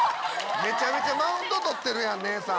・めちゃめちゃマウント取ってるやん姉さん。